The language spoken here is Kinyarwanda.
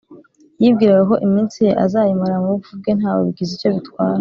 \ yibwiraga ko iminsi ye azayimara mu bupfu bwe ntawe bigize icyo bitwara